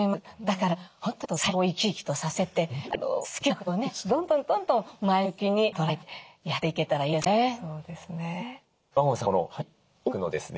だから本当にもっと細胞を生き生きとさせて好きなことをねどんどんどんどん前向きに捉えてやっていけたらいいですね。